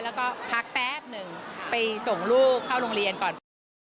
แล้วก็พักแป๊บหนึ่งไปส่งลูกเข้าโรงเรียนก่อนไปเรียน